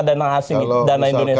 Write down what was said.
dana indonesia keluar negeri